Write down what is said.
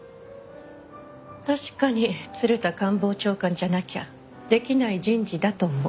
確かに鶴田官房長官じゃなきゃできない人事だと思う。